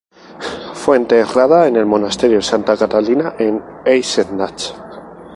Fue enterrada en el monasterio de Santa Catalina en Eisenach.